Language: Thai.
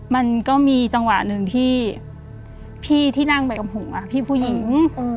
มันก็มีจังหวะหนึ่งที่พี่ที่นั่งไปกับหัวพี่ผู้หญิง